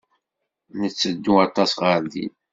Netteddu aṭas ɣer din.